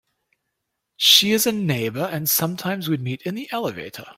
She is a neighbour, and sometimes we meet in the elevator.